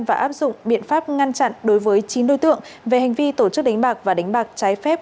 và áp dụng biện pháp ngăn chặn đối với chín đối tượng về hành vi tổ chức đánh bạc và đánh bạc trái phép